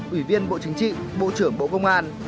ủy viên bộ chính trị bộ trưởng bộ công an